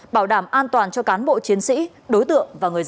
bảo đảm an toàn cho cán bộ chiến sĩ đối tượng và người dân